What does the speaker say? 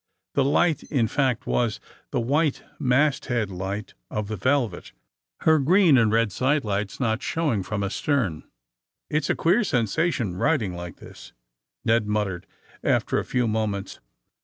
The light, in fact, was the white masthead light of the Velvet," her green and red sidelights not showing from astern. ^^ It 's a queer sensation, riding like this, '' Ned muttered, after a few moments.